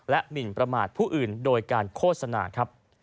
และหมิ่นประมาทผู้อื่นโดยการโฆษณา